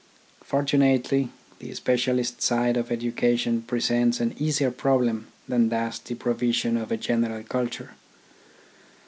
Fortunately, the specialist side of education presents an easier problem than does the provi sion of a general culture.